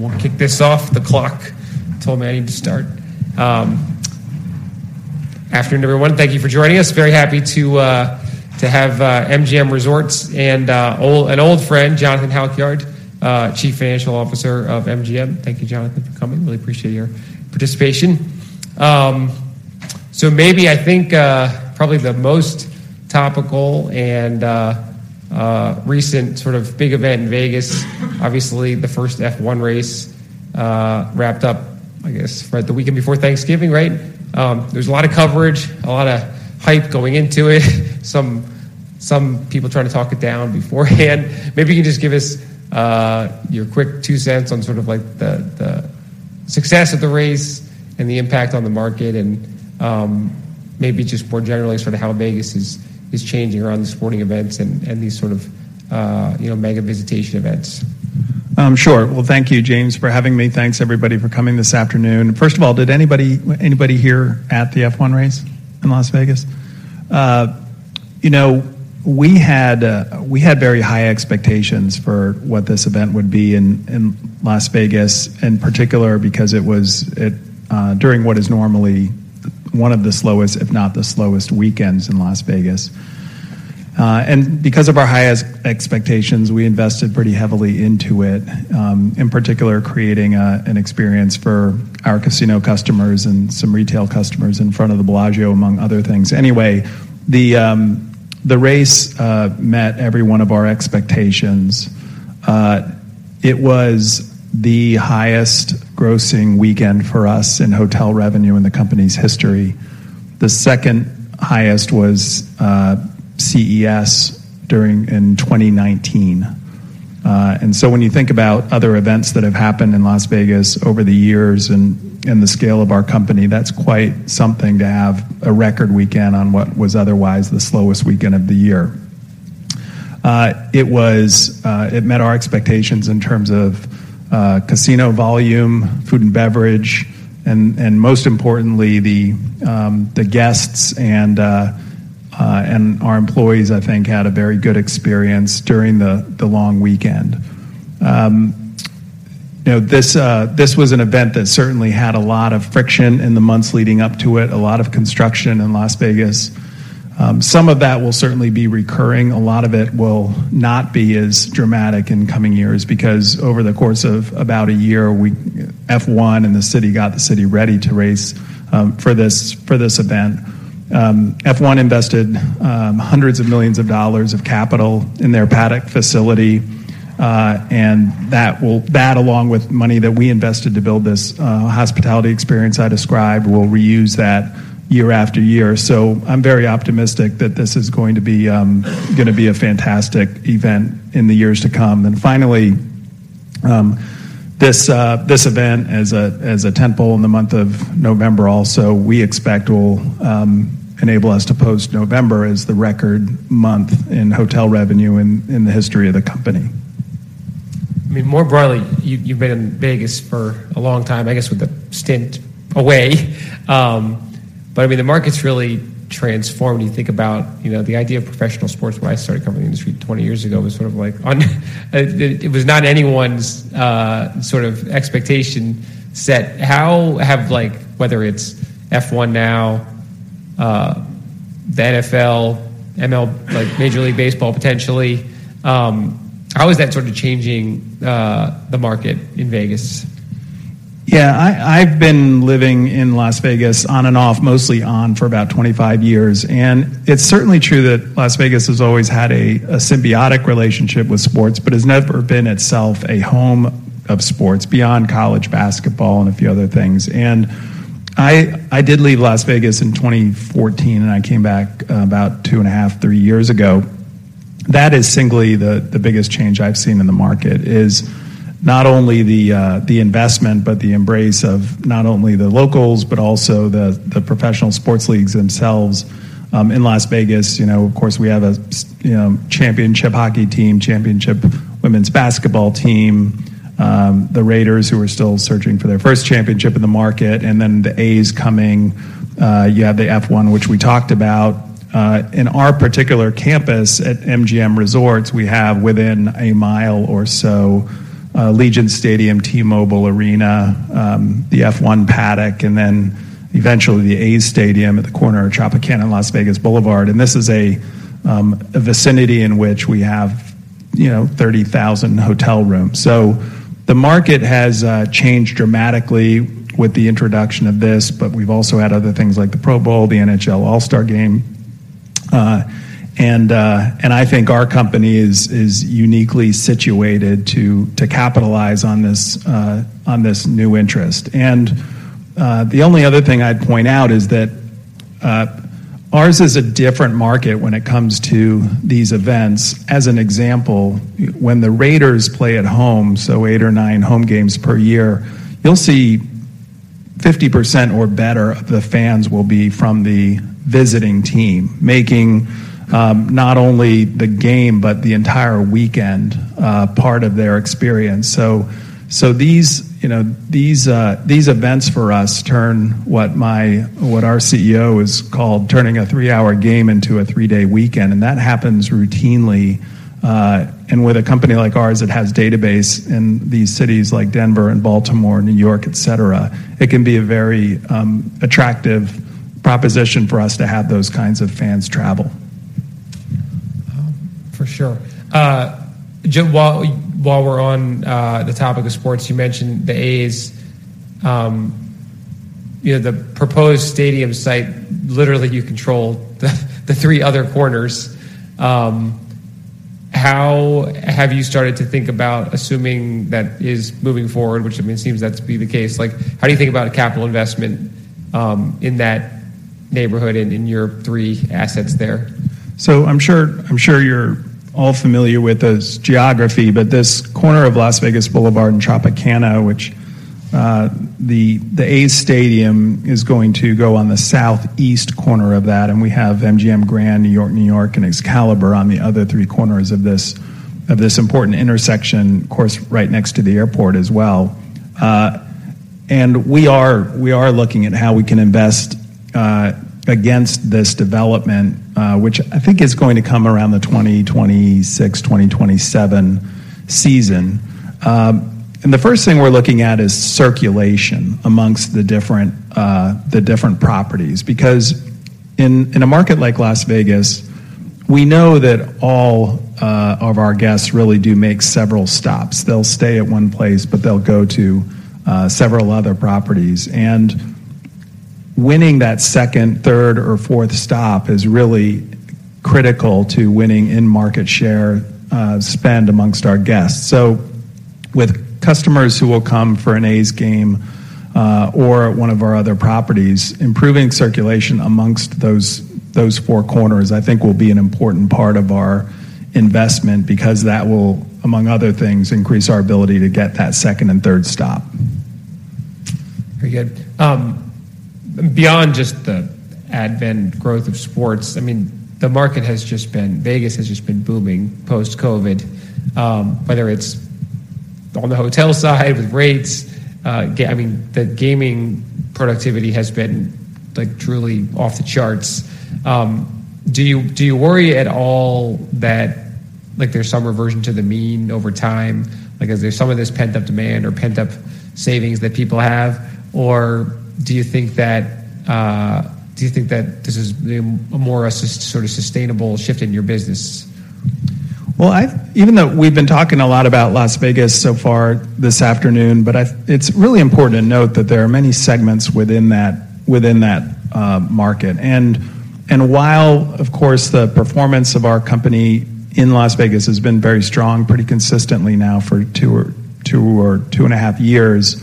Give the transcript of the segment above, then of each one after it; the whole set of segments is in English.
We'll kick this off. The clock told me I need to start. Afternoon, everyone. Thank you for joining us. Very happy to have MGM Resorts and an old friend, Jonathan Halkyard, Chief Financial Officer of MGM. Thank you, Jonathan, for coming. Really appreciate your participation. So maybe I think probably the most topical and recent sort of big event in Vegas, obviously, the first F1 race wrapped up, I guess, right the weekend before Thanksgiving, right? There was a lot of coverage, a lot of hype going into it. Some people trying to talk it down beforehand. Maybe you can just give us your quick two cents on sort of like the success of the race and the impact on the market, and maybe just more generally, sort of how Vegas is changing around the sporting events and these sort of you know mega visitation events. Sure. Well, thank you, James, for having me. Thanks, everybody, for coming this afternoon. First of all, did anybody, anybody here at the F1 race in Las Vegas? You know, we had very high expectations for what this event would be in Las Vegas, in particular, because it was during what is normally one of the slowest, if not the slowest weekends in Las Vegas. And because of our highest expectations, we invested pretty heavily into it, in particular, creating an experience for our casino customers and some retail customers in front of the Bellagio, among other things. Anyway, the race met every one of our expectations. It was the highest grossing weekend for us in hotel revenue in the company's history. The second highest was CES during in 2019. And so when you think about other events that have happened in Las Vegas over the years and the scale of our company, that's quite something to have a record weekend on what was otherwise the slowest weekend of the year. It met our expectations in terms of casino volume, food and beverage, and most importantly, the guests and our employees, I think, had a very good experience during the long weekend. You know, this was an event that certainly had a lot of friction in the months leading up to it, a lot of construction in Las Vegas. Some of that will certainly be recurring. A lot of it will not be as dramatic in coming years, because over the course of about a year, we, F1 and the city got the city ready to race for this event. F1 invested $100 million of capital in their paddock facility, and that, along with money that we invested to build this hospitality experience I described, we'll reuse that year after year. So I'm very optimistic that this is going to be gonna be a fantastic event in the years to come. And finally, this event, as a tentpole in the month of November also, we expect will enable us to post November as the record month in hotel revenue in the history of the company. I mean, more broadly, you, you've been in Vegas for a long time, I guess, with a stint away. But I mean, the market's really transformed when you think about, you know, the idea of professional sports when I started covering the industry 20 years ago, was sort of like, it was not anyone's sort of expectation set. How have, like, whether it's F1 now, the NFL, MLB, like, Major League Baseball, potentially, how is that sort of changing the market in Vegas? Yeah, I, I've been living in Las Vegas on and off, mostly on, for about 25 years. It's certainly true that Las Vegas has always had a, a symbiotic relationship with sports, but has never been itself a home of sports, beyond college basketball and a few other things. I, I did leave Las Vegas in 2014, and I came back, about 2.5-3 years ago. That is singly the, the biggest change I've seen in the market, is not only the, the investment, but the embrace of not only the locals, but also the, the professional sports leagues themselves. In Las Vegas, you know, of course, we have a championship hockey team, championship women's basketball team, the Raiders, who are still searching for their first championship in the market, and then the A's coming. You have the F1, which we talked about. In our particular campus at MGM Resorts, we have within a mile or so, Allegiant Stadium, T-Mobile Arena, the F1 Paddock, and then eventually the A's stadium at the corner of Tropicana and Las Vegas Boulevard. And this is a vicinity in which we have, you know, 30,000 hotel rooms. So the market has changed dramatically with the introduction of this, but we've also had other things like the Pro Bowl, the NHL All-Star Game. And I think our company is uniquely situated to capitalize on this new interest. And the only other thing I'd point out is that ours is a different market when it comes to these events. As an example, when the Raiders play at home, so eight or nine home games per year, you'll see 50% or better of the fans will be from the visiting team, making not only the game, but the entire weekend part of their experience. So these, you know, these events for us turn what our CEO has called turning a 3-hour game into a 3-day weekend, and that happens routinely, and with a company like ours that has database in these cities like Denver and Baltimore, New York, et cetera, it can be a very attractive proposition for us to have those kinds of fans travel. For sure. Jim, while we're on the topic of sports, you mentioned the A's. You know, the proposed stadium site, literally, you control the three other corners. How have you started to think about assuming that is moving forward, which, I mean, seems to be the case? Like, how do you think about a capital investment in that neighborhood and in your three assets there? So I'm sure, I'm sure you're all familiar with this geography, but this corner of Las Vegas Boulevard and Tropicana Avenue, which the A's stadium is going to go on the southeast corner of that, and we have MGM Grand, New York-New York, and Excalibur on the other three corners of this important intersection, of course, right next to the airport as well. And we are looking at how we can invest against this development, which I think is going to come around the 2026, 2027 season. And the first thing we're looking at is circulation amongst the different properties, because in a market like Las Vegas, we know that all of our guests really do make several stops. They'll stay at one place, but they'll go to several other properties. And winning that second, third, or fourth stop is really critical to winning in market share, spend among our guests. So with customers who will come for an A's game, or one of our other properties, improving circulation among those four corners, I think will be an important part of our investment, because that will, among other things, increase our ability to get that second and third stop. Very good. Beyond just the event growth of sports, I mean, the market has just been. Vegas has just been booming post-COVID. Whether it's on the hotel side, with rates, I mean, the gaming productivity has been, like, truly off the charts. Do you, do you worry at all that, like, there's some reversion to the mean over time? Like, as there's some of this pent-up demand or pent-up savings that people have, or do you think that, do you think that this is a more, sort of, sustainable shift in your business? Well, even though we've been talking a lot about Las Vegas so far this afternoon, it's really important to note that there are many segments within that market. And while, of course, the performance of our company in Las Vegas has been very strong, pretty consistently now for two or two and a half years,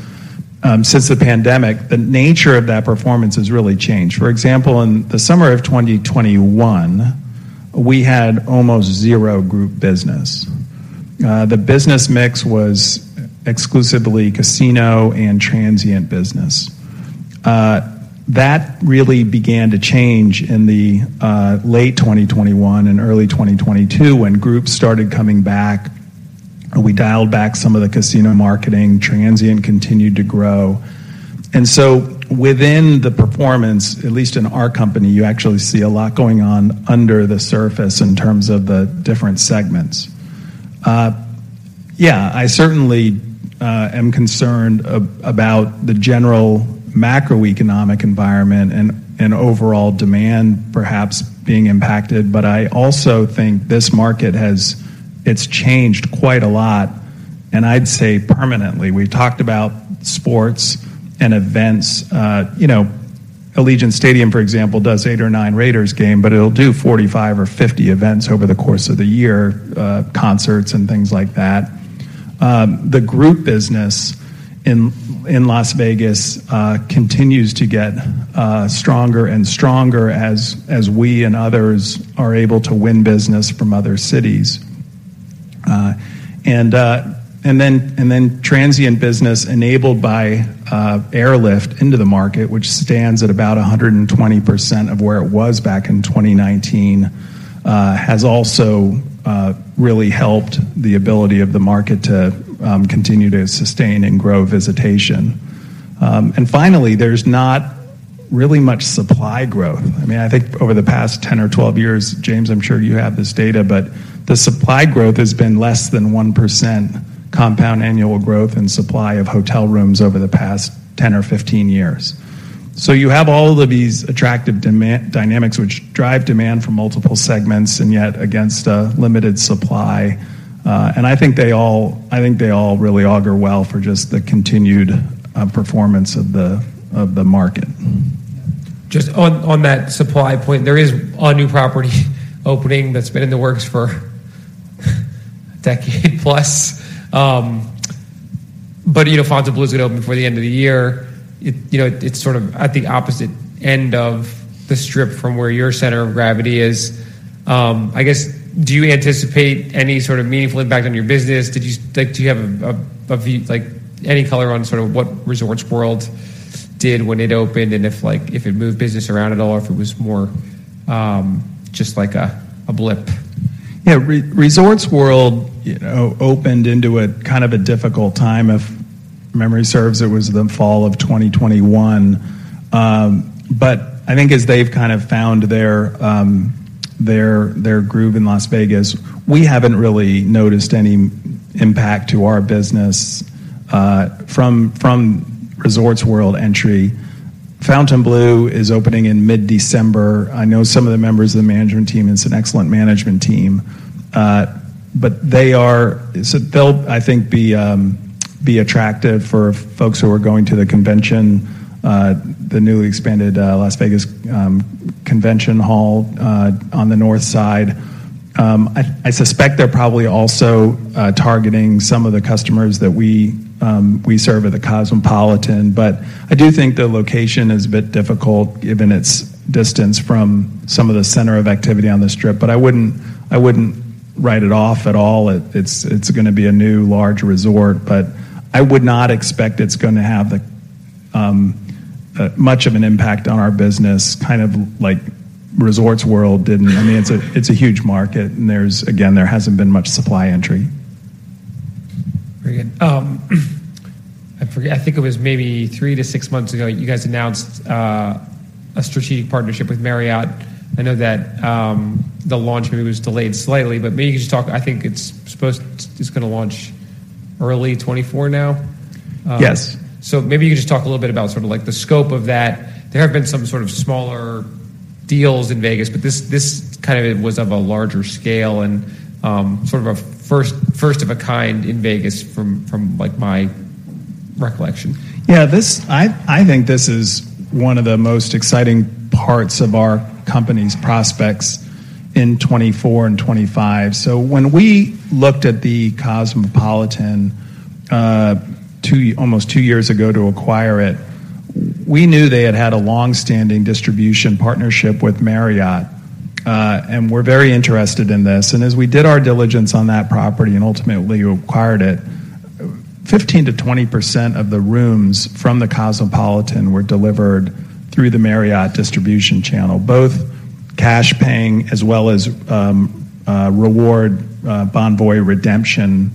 since the pandemic, the nature of that performance has really changed. For example, in the summer of 2021, we had almost zero group business. The business mix was exclusively casino and transient business. That really began to change in the late 2021 and early 2022, when groups started coming back. We dialed back some of the casino marketing. Transient continued to grow. Within the performance, at least in our company, you actually see a lot going on under the surface in terms of the different segments. Yeah, I certainly am concerned about the general macroeconomic environment and overall demand perhaps being impacted, but I also think this market has... It's changed quite a lot, and I'd say permanently. We've talked about sports and events. You know, Allegiant Stadium, for example, does eight or nine Raiders game, but it'll do 45 or 50 events over the course of the year, concerts and things like that. The group business in Las Vegas continues to get stronger and stronger as we and others are able to win business from other cities. And then transient business enabled by airlift into the market, which stands at about 120% of where it was back in 2019, has also really helped the ability of the market to continue to sustain and grow visitation. And finally, there's not really much supply growth. I mean, I think over the past 10 or 12 years, James, I'm sure you have this data, but the supply growth has been less than 1% compound annual growth in supply of hotel rooms over the past 10 or 15 years. So you have all of these attractive demand dynamics which drive demand from multiple segments, and yet against a limited supply, and I think they all really augur well for just the continued performance of the market. Just on that supply point, there is a new property opening that's been in the works for a decade plus. But you know, Fontainebleau is open before the end of the year. It you know, it's sort of at the opposite end of the Strip from where your center of gravity is. I guess, do you anticipate any sort of meaningful impact on your business? Did you like, do you have like, any color on sort of what Resorts World did when it opened? And if like, if it moved business around at all, or if it was more just like a blip. Yeah, Resorts World, you know, opened into a kind of a difficult time of if memory serves, it was the fall of 2021. But I think as they've kind of found their groove in Las Vegas, we haven't really noticed any impact to our business from Resorts World entry. Fontainebleau is opening in mid-December. I know some of the members of the management team. It's an excellent management team, but they are so they'll, I think, be attractive for folks who are going to the convention, the new expanded Las Vegas convention hall on the north side. I suspect they're probably also targeting some of the customers that we serve at the Cosmopolitan, but I do think the location is a bit difficult given its distance from some of the center of activity on the Strip. But I wouldn't write it off at all. It's gonna be a new large resort, but I would not expect it's gonna have much of an impact on our business, kind of like Resorts World didn't. I mean, it's a huge market, and there's. Again, there hasn't been much supply entry. Very good. I forget. I think it was maybe 3-6 months ago, you guys announced a strategic partnership with Marriott. I know that the launch maybe was delayed slightly, but maybe you could just talk. I think it's gonna launch early 2024 now? Yes. Maybe you could just talk a little bit about sort of, like, the scope of that. There have been some sort of smaller deals in Vegas, but this kind of was of a larger scale and, sort of a first of a kind in Vegas from, like, my recollection. Yeah, I think this is one of the most exciting parts of our company's prospects in 2024 and 2025. So when we looked at the Cosmopolitan, almost two years ago to acquire it, we knew they had had a long-standing distribution partnership with Marriott, and we're very interested in this. And as we did our diligence on that property and ultimately acquired it, 15%-20% of the rooms from the Cosmopolitan were delivered through the Marriott distribution channel, both cash paying as well as reward Bonvoy redemption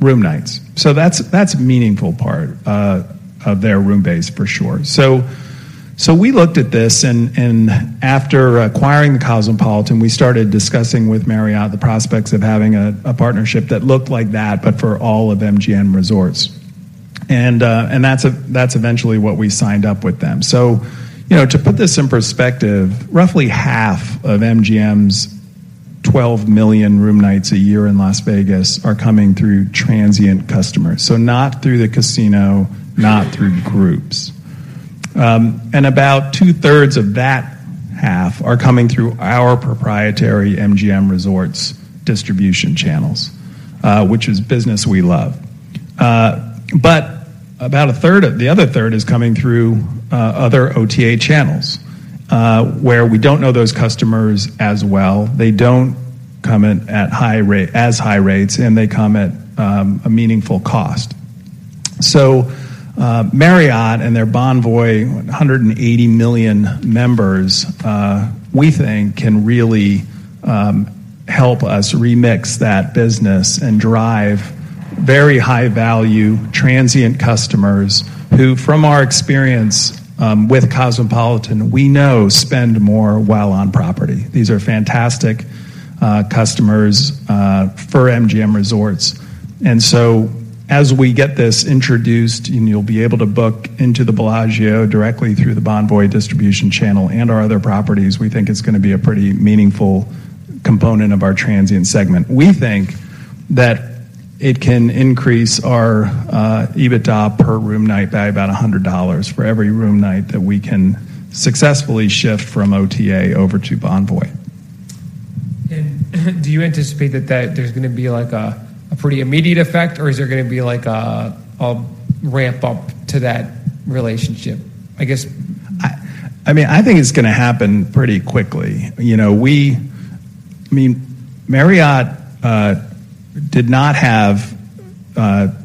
room nights. So that's a meaningful part of their room base, for sure. So we looked at this, and after acquiring the Cosmopolitan, we started discussing with Marriott the prospects of having a partnership that looked like that, but for all of MGM Resorts. And that's eventually what we signed up with them. So, you know, to put this in perspective, roughly half of MGM's 12 million room nights a year in Las Vegas are coming through transient customers, so not through the casino, not through groups. And about 2/3 of that half are coming through our proprietary MGM Resorts distribution channels, which is business we love. But about a third of the other third is coming through other OTA channels, where we don't know those customers as well. They don't come in at high rate, as high rates, and they come at a meaningful cost. So, Marriott and their Bonvoy, 180 million members, we think can really help us remix that business and drive very high-value transient customers, who, from our experience, with Cosmopolitan, we know spend more while on property. These are fantastic customers for MGM Resorts. And so, as we get this introduced, and you'll be able to book into the Bellagio directly through the Bonvoy distribution channel and our other properties, we think it's gonna be a pretty meaningful component of our transient segment. We think that it can increase our EBITDA per room night by about $100 for every room night that we can successfully shift from OTA over to Bonvoy. Do you anticipate that there's gonna be, like, a pretty immediate effect, or is there gonna be, like, a ramp up to that relationship? I guess- I mean, I think it's gonna happen pretty quickly. You know, I mean, Marriott did not have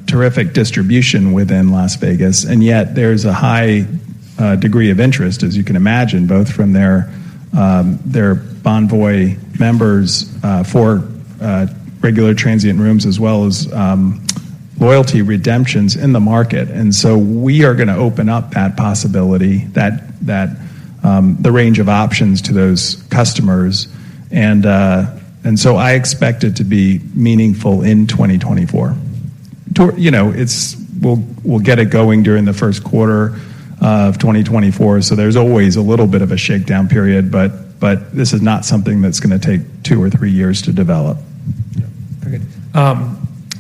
terrific distribution within Las Vegas, and yet there's a high degree of interest, as you can imagine, both from their Bonvoy members for regular transient rooms as well as loyalty redemptions in the market. And so we are gonna open up that possibility, the range of options to those customers. And so I expect it to be meaningful in 2024. You know, it's. We'll get it going during the first quarter of 2024, so there's always a little bit of a shakedown period, but this is not something that's gonna take two or three years to develop. Yeah. Okay.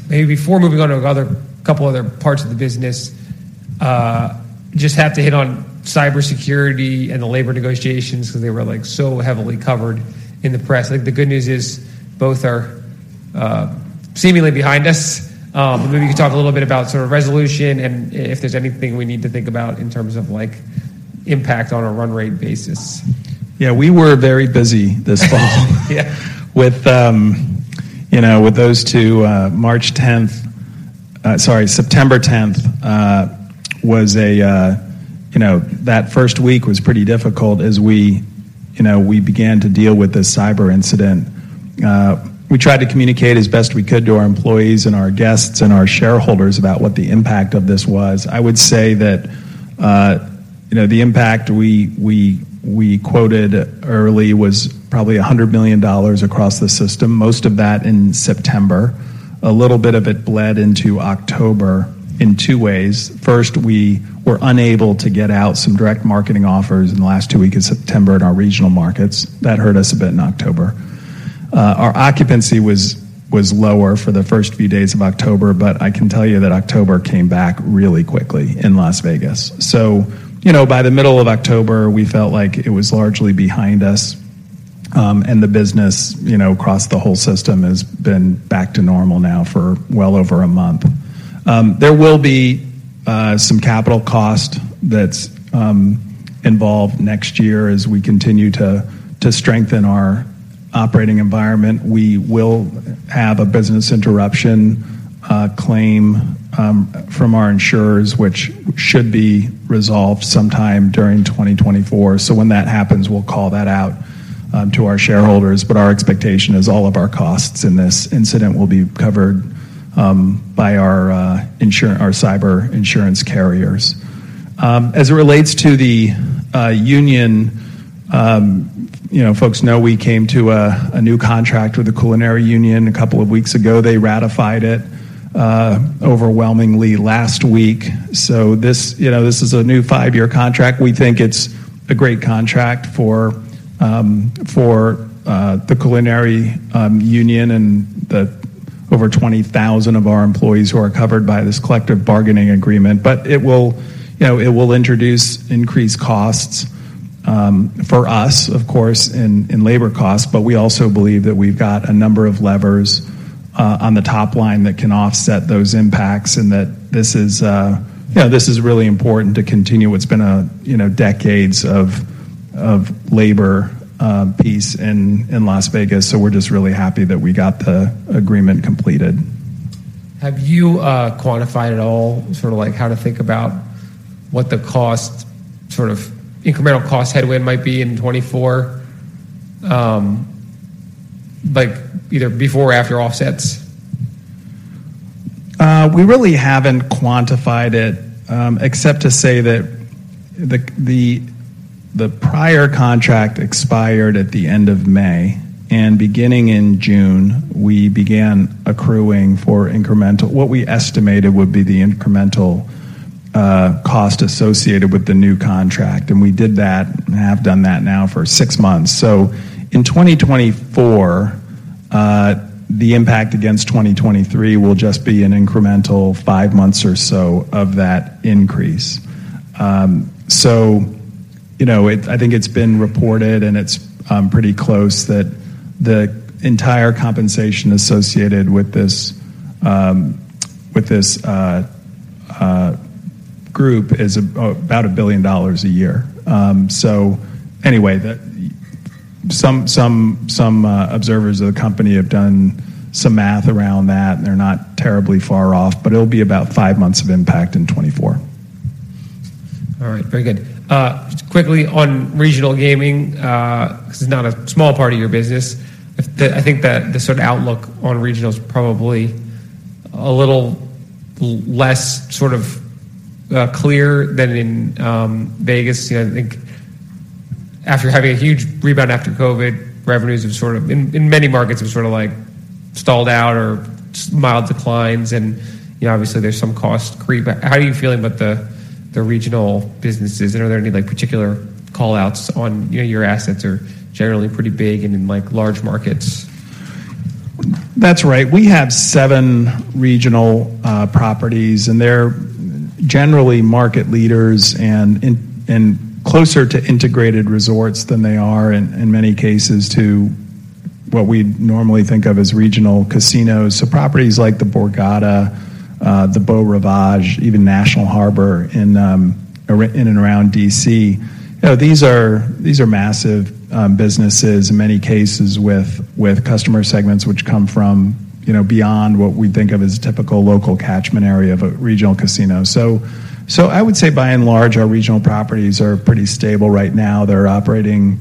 Maybe before moving on to other couple other parts of the business, just have to hit on cybersecurity and the labor negotiations, because they were, like, so heavily covered in the press. Like, the good news is, both are seemingly behind us. But maybe you could talk a little bit about sort of resolution, and if there's anything we need to think about in terms of, like, impact on a run rate basis. Yeah, we were very busy this fall. Yeah. With, you know, with those two, Sorry, September 10th, you know, that first week was pretty difficult as we, you know, we began to deal with this cyber incident, we tried to communicate as best we could to our employees and our guests and our shareholders about what the impact of this was. I would say that, you know, the impact we quoted early was probably $100 million across the system, most of that in September. A little bit of it bled into October in two ways. First, we were unable to get out some direct marketing offers in the last two weeks of September in our regional markets. That hurt us a bit in October. Our occupancy was lower for the first few days of October, but I can tell you that October came back really quickly in Las Vegas. So, you know, by the middle of October, we felt like it was largely behind us, and the business, you know, across the whole system has been back to normal now for well over a month. There will be some capital cost that's involved next year as we continue to strengthen our operating environment. We will have a business interruption claim from our insurers, which should be resolved sometime during 2024. So when that happens, we'll call that out to our shareholders. But our expectation is all of our costs in this incident will be covered by our cyber insurance carriers. As it relates to the union, you know, folks know we came to a new contract with the Culinary Union a couple of weeks ago. They ratified it overwhelmingly last week. So this, you know, this is a new five-year contract. We think it's a great contract for the Culinary Union and the over 20,000 of our employees who are covered by this collective bargaining agreement. But it will, you know, it will introduce increased costs, for us, of course, in, in labor costs, but we also believe that we've got a number of levers, on the top line that can offset those impacts, and that this is, you know, this is really important to continue what's been a, you know, decades of, of labor, peace in, in Las Vegas, so we're just really happy that we got the agreement completed. Have you, quantified at all, sort of like, how to think about what the cost, sort of, incremental cost headwind might be in 2024? Like, either before or after offsets? We really haven't quantified it, except to say that the prior contract expired at the end of May, and beginning in June, we began accruing for incremental what we estimated would be the incremental cost associated with the new contract, and we did that, and have done that now for six months. So in 2024, the impact against 2023 will just be an incremental five months or so of that increase. So you know, I think it's been reported, and it's pretty close, that the entire compensation associated with this with this group is about $1 billion a year. So anyway, some observers of the company have done some math around that, and they're not terribly far off, but it'll be about five months of impact in 2024. All right. Very good. Quickly on regional gaming, this is not a small part of your business. I think that the sort of outlook on regional is probably a little less sort of, clear than in, Vegas. You know, I think after having a huge rebound after COVID, revenues have sort of, in many markets, have sort of, like, stalled out or mild declines, and, you know, obviously there's some cost creep. How are you feeling about the regional businesses, and are there any, like, particular call-outs on. You know, your assets are generally pretty big and in, like, large markets? That's right. We have seven regional properties, and they're generally market leaders and, and, and closer to integrated resorts than they are, in, in many cases, to what we'd normally think of as regional casinos. So properties like the Borgata, the Beau Rivage, even National Harbor, in and around D.C. You know, these are, these are massive businesses, in many cases, with, with customer segments which come from, you know, beyond what we think of as a typical local catchment area of a regional casino. So, so I would say, by and large, our regional properties are pretty stable right now. They're operating.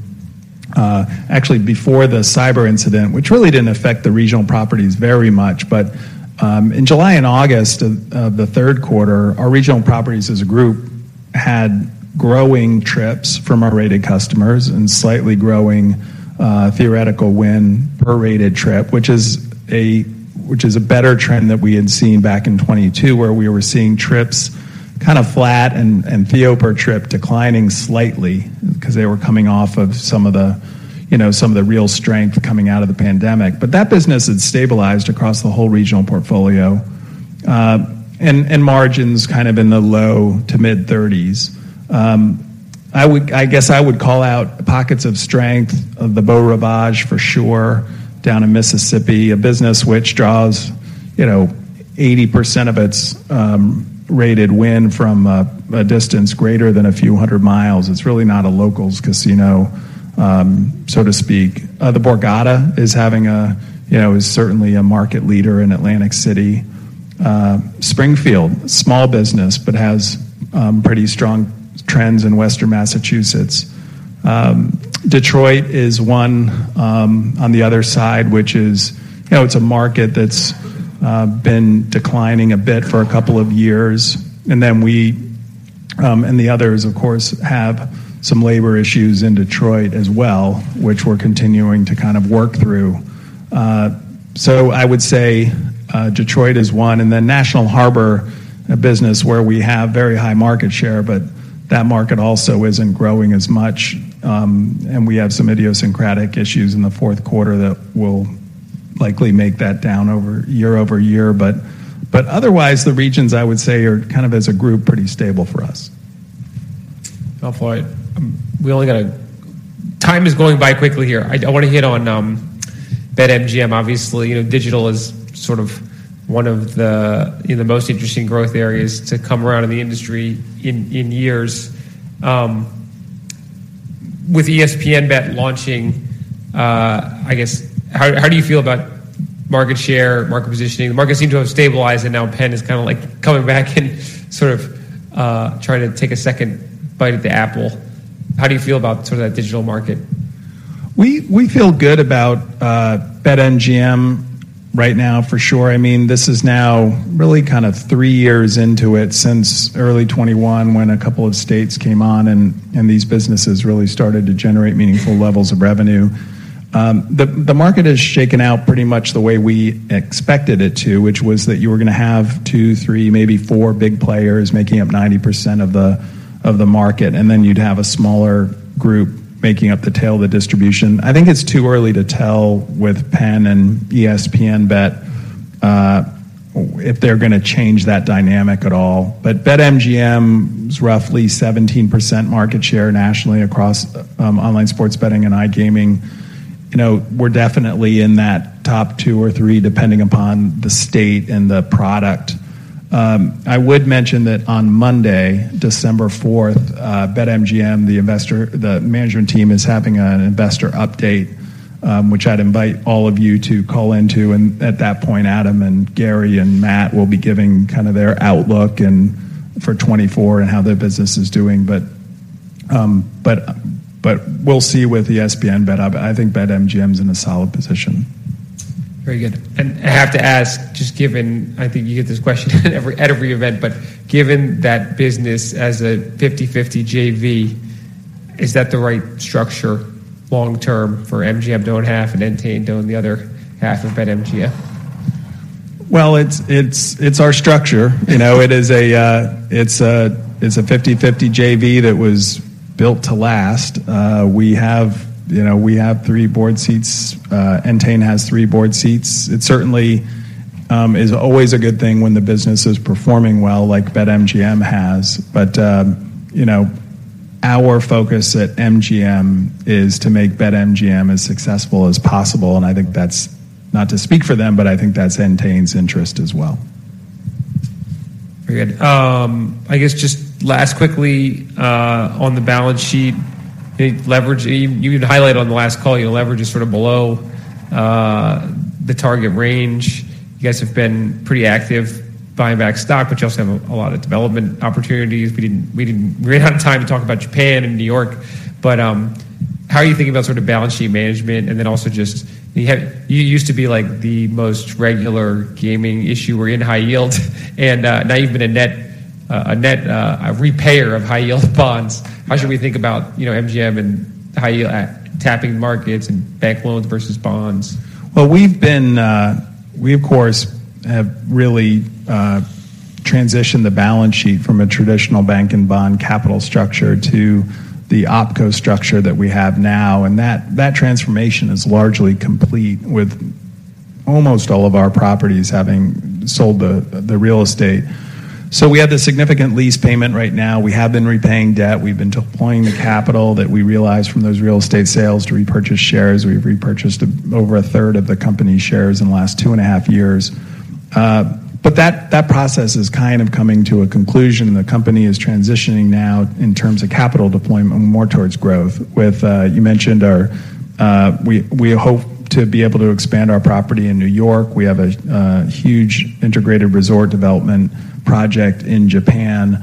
Actually, before the cyber incident, which really didn't affect the regional properties very much, but in July and August of the third quarter, our regional properties as a group had growing trips from our rated customers and slightly growing theoretical win per rated trip, which is a better trend than we had seen back in 2022, where we were seeing trips kind of flat and theo per trip declining slightly because they were coming off of some of the, you know, some of the real strength coming out of the pandemic. But that business has stabilized across the whole regional portfolio, and margins kind of in the low- to mid-30s. I guess I would call out pockets of strength of the Beau Rivage, for sure, down in Mississippi, a business which draws, you know, 80% of its rated win from a distance greater than a few hundred miles. It's really not a locals casino, so to speak. The Borgata is certainly a market leader in Atlantic City. Springfield, small business, but has pretty strong trends in Western Massachusetts. Detroit is one on the other side, which is, you know, it's a market that's been declining a bit for a couple of years. And then we and the others, of course, have some labor issues in Detroit as well, which we're continuing to kind of work through. So I would say, Detroit is one, and then National Harbor, a business where we have very high market share, but that market also isn't growing as much. And we have some idiosyncratic issues in the fourth quarter that will likely make that down over, year over year. But otherwise, the regions, I would say, are kind of, as a group, pretty stable for us. Well, boy, time is going by quickly here. I want to hit on BetMGM. Obviously, you know, digital is sort of one of the, you know, the most interesting growth areas to come around in the industry in years. With ESPN Bet launching, I guess, how do you feel about market share, market positioning? The market seemed to have stabilized, and now Penn is kind of, like, coming back and sort of trying to take a second bite at the apple. How do you feel about sort of that digital market? We feel good about BetMGM right now, for sure. I mean, this is now really kind of three years into it, since early 2021, when a couple of states came on, and these businesses really started to generate meaningful levels of revenue. The market has shaken out pretty much the way we expected it to, which was that you were gonna have two, three, maybe four big players making up 90% of the market, and then you'd have a smaller group making up the tail of the distribution. I think it's too early to tell with Penn and ESPN Bet if they're gonna change that dynamic at all. But BetMGM is roughly 17% market share nationally across online sports betting and iGaming. You know, we're definitely in that top two or three, depending upon the state and the product. I would mention that on Monday, December 4th, BetMGM, the investor—the management team, is having an investor update, which I'd invite all of you to call into. And at that point, Adam and Gary and Matt will be giving kind of their outlook and, for 2024, and how the business is doing. But, we'll see with ESPN Bet. But I think BetMGM's in a solid position. Very good. I have to ask, just given. I think you get this question every, at every event, but given that business as a 50/50 JV, is that the right structure long term for MGM to own half and Entain to own the other half of BetMGM? Well, it's our structure. You know, it is a 50/50 JV that was built to last. We have, you know, we have three board seats, Entain has three board seats. It certainly is always a good thing when the business is performing well, like BetMGM has. But, you know, our focus at MGM is to make BetMGM as successful as possible, and I think that's, not to speak for them, but I think that's Entain's interest as well. Very good. I guess, just last, quickly, on the balance sheet, the leverage, you had highlighted on the last call, your leverage is sort of below the target range. You guys have been pretty active buying back stock, but you also have a lot of development opportunities. We didn't have time to talk about Japan and New York, but how are you thinking about sort of balance sheet management? And then also just, you have, you used to be, like, the most regular gaming issuer in high yield, and now you've been a net, a net repairer of high yield bonds. Yeah. How should we think about, you know, MGM and high yield at tapping markets and bank loans versus bonds? Well, we've been. We, of course, have really transitioned the balance sheet from a traditional bank and bond capital structure to the OpCo structure that we have now. And that, that transformation is largely complete, with almost all of our properties having sold the, the real estate. So we have the significant lease payment right now. We have been repaying debt. We've been deploying the capital that we realized from those real estate sales to repurchase shares. We've repurchased over a third of the company's shares in the last 2.5 years. But that, that process is kind of coming to a conclusion. The company is transitioning now in terms of capital deployment, more towards growth. With, you mentioned our. We, we hope to be able to expand our property in New York. We have a huge integrated resort development project in Japan.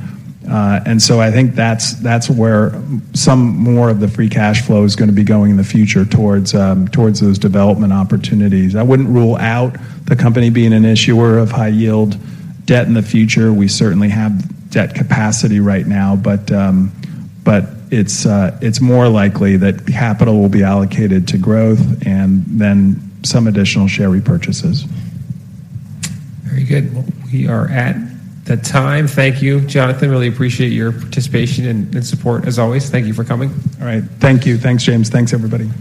And so I think that's where some more of the free cash flow is gonna be going in the future, towards those development opportunities. I wouldn't rule out the company being an issuer of high-yield debt in the future. We certainly have debt capacity right now, but it's more likely that capital will be allocated to growth and then some additional share repurchases. Very good. Well, we are at the time. Thank you, Jonathan. Really appreciate your participation and support as always. Thank you for coming. All right. Thank you. Thanks, James. Thanks, everybody.